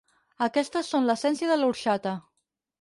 Aquestes són l'essència de l'orxata.